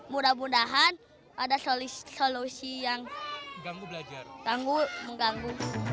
mudah mudahan ada solusi yang tangguh mengganggu